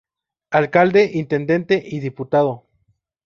Alcalde, intendente y diputado.